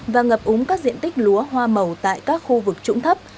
và ngập úng các diện tích lúa hoa màu tại các khu vực trũng thấp